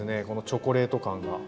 このチョコレート感が。